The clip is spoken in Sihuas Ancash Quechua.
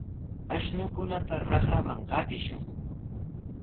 Ashnukunata raqraman qatishun.